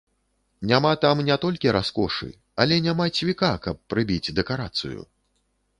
Няма там не толькі раскошы, але няма цвіка, каб прыбіць дэкарацыю.